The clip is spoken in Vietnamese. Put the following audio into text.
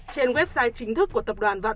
trên website chính thức của tập đoàn vạn